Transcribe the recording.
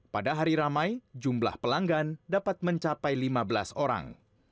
pada hari ramai jumlah pelanggan dapat mencapai lima belas orang